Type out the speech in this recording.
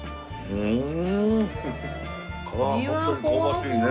うん！